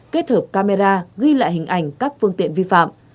kết hợp camera ghi lại hình ảnh các phương tiện vi phạm